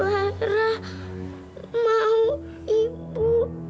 lara mau ibu